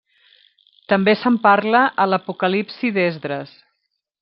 També se'n parla a l'Apocalipsi d'Esdres.